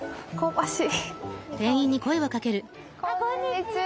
こんにちは！